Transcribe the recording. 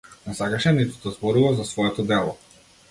Не сакаше ниту да зборува за своето дело.